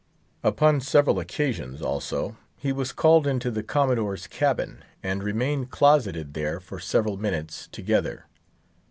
Upon several occasions, also, he was called into the Commodore's cabin, and remained closeted there for several minutes together.